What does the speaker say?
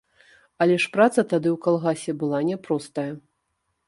Але ж праца тады ў калгасе была няпростая.